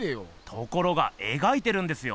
ところが描いてるんですよ。